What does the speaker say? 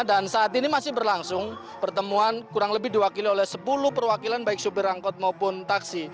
dan saat ini masih berlangsung pertemuan kurang lebih diwakili oleh sepuluh perwakilan baik sopir rangkot maupun taksi